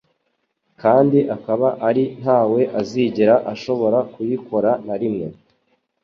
kandi akaba ari nta we uzigera ashobora kuyikora na rimwe.